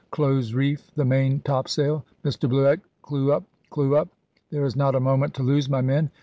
Close reef the main topsail. Mr Bluett, clew up, clew up. There is not a moment to lose, my men.